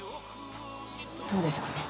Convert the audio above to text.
どうでしょうね。